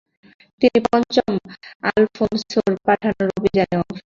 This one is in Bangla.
তিনি পঞ্চম আলফোনসোর পাঠানো অভিযানে অংশ নিতেন।